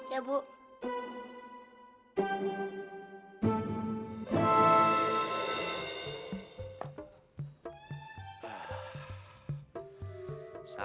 nanti kamu malah celaka